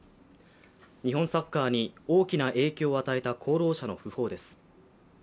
日本サッカーに大きな影響を与えた功労者の訃報です。